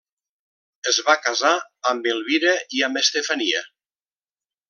Es va casar amb Elvira i amb Estefania.